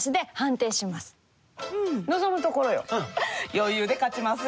余裕で勝ちますよ。